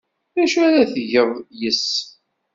D acu ara tgeḍ yes-s?